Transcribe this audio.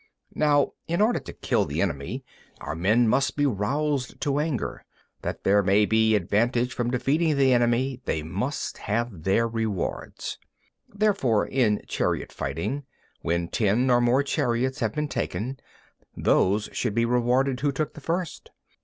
16. Now in order to kill the enemy, our men must be roused to anger; that there may be advantage from defeating the enemy, they must have their rewards. 17. Therefore in chariot fighting, when ten or more chariots have been taken, those should be rewarded who took the first.